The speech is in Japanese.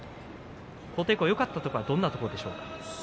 琴恵光のよかったところはどんなところですか？